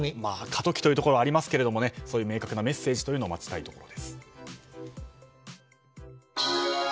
過渡期というところはありますがそういう明確なメッセージを待ちたいところです。